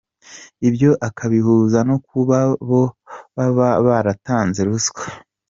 Ibyo akabihuza no kuba bo baba baratanze ruswa.